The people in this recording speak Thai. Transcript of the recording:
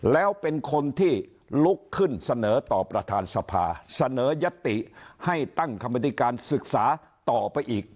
แล้วเป็นคนที่ลุกขึ้นเสนอต่อประธานสภาเสนอยัตติให้ตั้งกรรมธิการศึกษาต่อไปอีก